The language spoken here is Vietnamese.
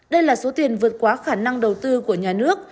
đây là số tiền vượt quá khả năng đầu tư của nhà nước